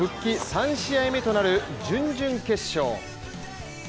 ３試合目となる準々決勝。